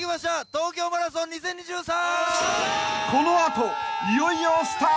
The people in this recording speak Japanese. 東京マラソン２０２３！